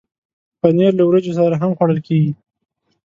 پنېر له وریجو سره هم خوړل کېږي.